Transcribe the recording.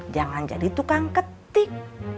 jangan jadi tukang ketik